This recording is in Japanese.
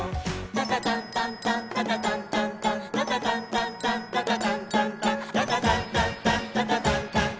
「タタタンタンタンタタタンタンタンタタタンタンタンタタタンタンタン」